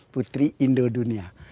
putri indo dunia